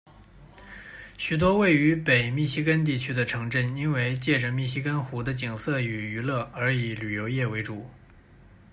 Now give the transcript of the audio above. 许多位于北密西根地区的城镇因为藉着密西根湖的景色与娱乐而以旅游业为主。